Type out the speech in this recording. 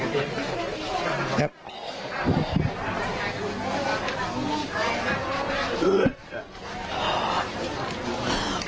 พอเข้ามาจะแย่แล้ว